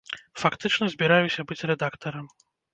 Фактычна, збіраюся быць рэдактарам.